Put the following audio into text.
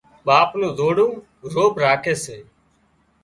ٻاپ نُون زوڙون روڀ راکي سي